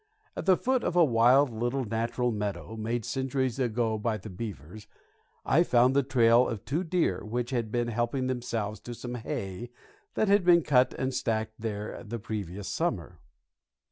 At the foot of a wild little natural meadow, made centuries ago by the beavers, I found the trail of two deer which had been helping themselves to some hay that had been cut and stacked there the previous summer.